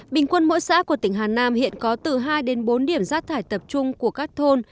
bình quân mỗi xã của tỉnh hà nam hiện có từ hai đến bốn điểm rác thải tập trung của các thôn